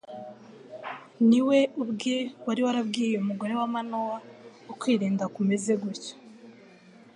Ni we ubwe wari warabwiye umugore wa Manowa ukwirinda kumeze gutyo.